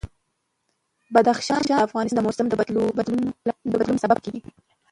بدخشان د افغانستان د موسم د بدلون سبب کېږي.